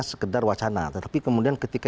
sekedar wacana tetapi kemudian ketika